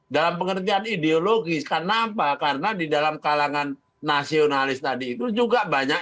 dalam pengertian ideologis karena apa karena di dalam kalangan nasionalis tadi itu juga banyak